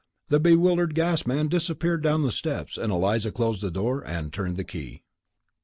The bewildered gas man disappeared down the steps and Eliza closed the door and turned the key.